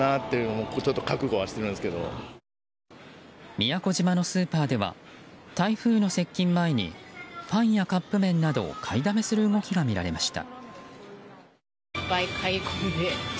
宮古島のスーパーでは台風の接近の前にパンやカップ麺などを買いだめする動きが見られました。